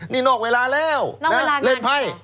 นี่นอกเวลาแล้วเล่นไพ่